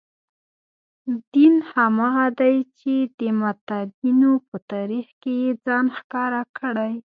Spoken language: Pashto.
دین هماغه دی چې د متدینو په تاریخ کې یې ځان ښکاره کړی.